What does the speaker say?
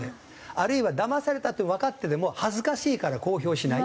あるいはだまされたってわかってても恥ずかしいから公表しない。